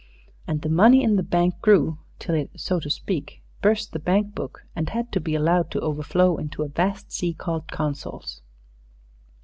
And the money in the bank grew till it, so to speak, burst the bank book, and had to be allowed to overflow into a vast sea called Consols.